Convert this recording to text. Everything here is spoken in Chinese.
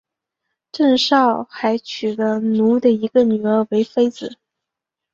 郑昭还娶了努的一个女儿为妃子。